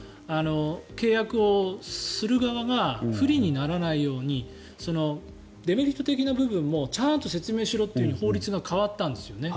契約をする側が不利にならないようにデメリット的な部分もちゃんと説明しろって法律が変わったんですよね。